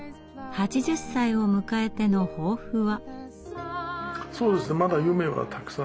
８０歳を迎えての抱負は？